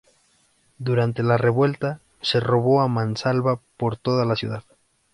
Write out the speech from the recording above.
Durante la revuelta, se robó a mansalva por toda la ciudad